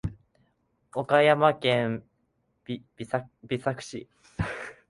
岡山県美作市